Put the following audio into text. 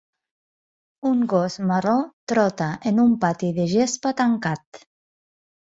Un gos marró trota en un pati de gespa tancat.